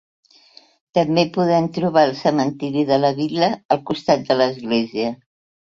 També podem trobar el cementiri de la vila al costat de l'església.